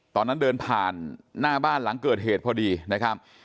ตอนนั้นเดินผ่านหน้าบ้านหลังเกิดเหตุพอดีนะครับ